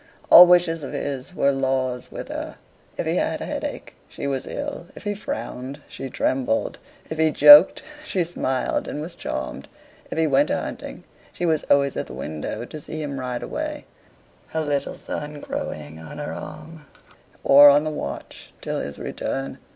All wishes of his were laws with her. If he had a headache, she was ill. If he frowned, she trembled. If he joked, she smiled and was charmed. If he went a hunting, she was always at the window to see him ride away, her little son crowing on her arm, or on the watch till his return.